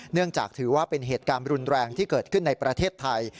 เนื่องจากถือว่าเป็นเหตุการณ์รุนแรงที่เกิดขึ้นในประเทศไทย